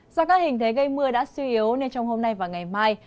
do các hình thế gây mưa đã suy yếu nên trong hôm nay và ngày mai